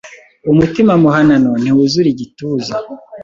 umutima muhanano ntiwuzura igituza,